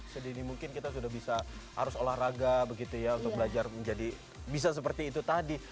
sedini mungkin kita sudah bisa harus olahraga begitu ya untuk belajar menjadi bisa seperti itu tadi